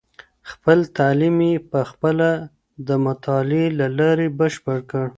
خپل تعلیم یې په خپله د مطالعې له لارې بشپړ کړ.